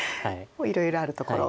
もういろいろあるところ。